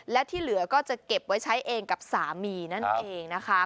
และที่เหลือก็จะเก็บไว้ใช้เองกับสามีนั่นเองนะคะ